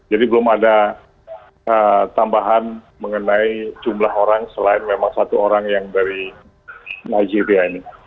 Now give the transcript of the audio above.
jadi belum ada tambahan mengenai jumlah orang selain memang satu orang yang dari nigeria ini